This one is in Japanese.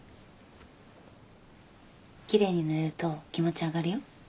奇麗に塗れると気持ち上がるよ。